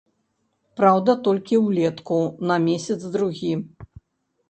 Праўда, толькі ўлетку, на месяц-другі.